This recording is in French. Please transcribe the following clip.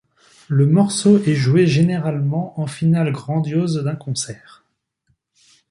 Le morceau est joué généralement en finale grandiose d'un concert.